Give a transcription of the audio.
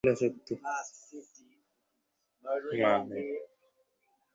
উপনিষদ ব্যক্তি-উপাসনার, অবতার বা মহাপুরুষ-পূজার বিরোধী নহে, বরং উহার পক্ষে।